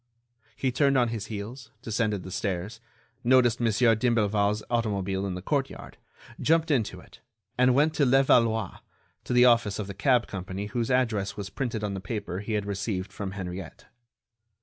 He turned on his heels, descended the stairs, noticed Mon. d'Imblevalle's automobile in the courtyard, jumped into it, and went to Levallois, to the office of the cab company whose address was printed on the paper he had received from Henriette.